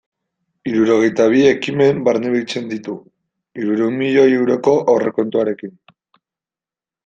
Hirurogeita bi ekimen barnebiltzen ditu, hirurehun milioi euroko aurrekontuarekin.